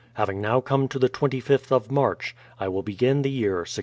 Having now come to the 25th of March, I will begin the year 1621.